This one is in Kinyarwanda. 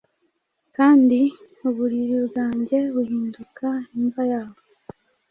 Kandi uburiri bwanjye buhinduka imva yabo.